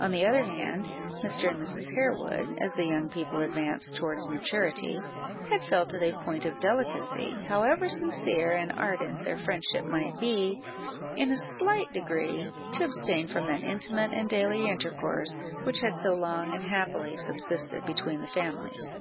On the other hand, Mr. and Mrs. Harewood, as the young people advanced towards maturity, had felt it a point of delicacy, however sincere and ardent their friendship might be, in a slight degree to abstain from that intimate and daily intercourse which had so long and happily subsisted between the families.